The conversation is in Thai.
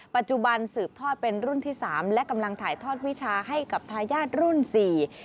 ปัจจุบันสืบทอดเป็นรุ่นที่สามและกำลังถ่ายทอดวิชาให้กับทายาทรุ่นสี่